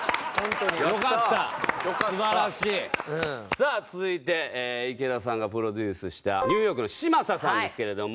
さあ続いて池田さんがプロデュースしたニューヨークの嶋佐さんですけれども。